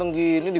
baik cue tadi